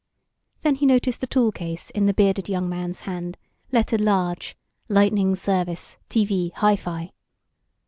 Then he noticed the toolcase in the bearded young man's hand, lettered large LIGHTNING SERVICE, TV, HI FI.